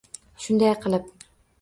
Shunday qilib —